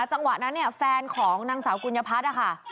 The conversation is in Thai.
จังหวะนั้นเนี่ยแฟนของนางสาวกุญญพัฒน์นะคะ